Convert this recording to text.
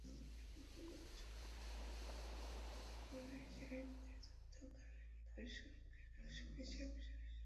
বহু উচ্চমানের সাহিত্যে, যুদ্ধকালীন ধর্ষণকে ধর্ষণ হিসেবে সরাসরি উল্লেখ করা হয়নি।